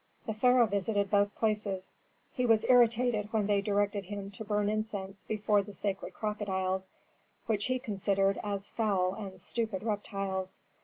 The pharaoh visited both places. He was irritated when they directed him to burn incense before the sacred crocodiles, which he considered as foul and stupid reptiles.